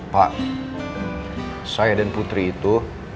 pak saya dan putri itu